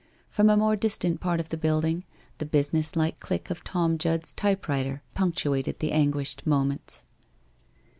From a more distant part of the building, the business like click of Tom Judd's type writer punctuated the anguished moments.